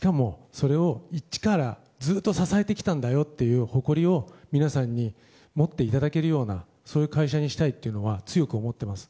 、それを一からずっと支えてきたんだよという誇りを皆さんに持っていただけるようなそういう会社にしたいというのは強く思っています。